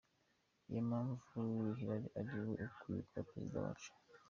Ni yo mpamvu Hillary ari we ukwiye kuba perezida wacu.